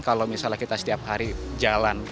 kalau misalnya kita setiap hari jalan